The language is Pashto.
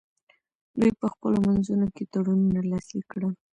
دوی په خپلو منځونو کې تړونونه لاسلیک کړل